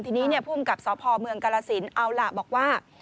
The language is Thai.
ทีนี้ภูมิกับสพเมืองกาลสินเอาล่ะบอกว่า